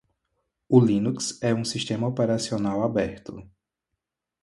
O Linux é um sistema operacional aberto.